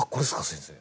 先生。